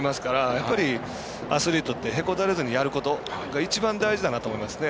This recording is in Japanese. やっぱりアスリートってへこたれずにやることが一番大事だと思いますね。